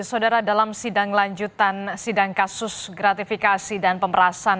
saudara dalam sidang lanjutan sidang kasus gratifikasi dan pemerasan